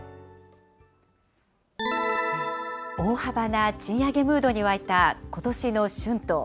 大幅な賃上げムードに沸いた、ことしの春闘。